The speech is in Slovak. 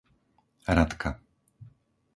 Ratka